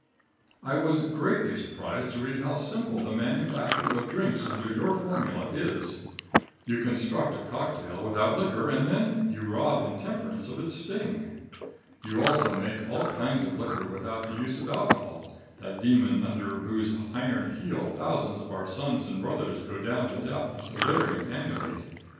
I was greatly surprised to read how simple the manufacture of drinks under your formula is. You construct a cocktail without liquor and then rob intemperance of its sting. You also make all kinds of liquor without the use of alcohol, that demon under whose iron heel thousands of our sons and brothers go down to death and delirium annually.